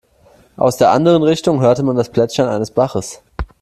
Aus der anderen Richtung hörte man das Plätschern eines Baches.